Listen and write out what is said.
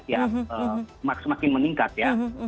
semakin meningkat ya